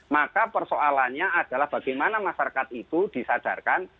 maka persoalannya adalah bagaimana masyarakat itu disadarkan